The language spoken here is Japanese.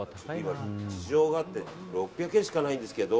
事情があって今６００円しかないんですけど。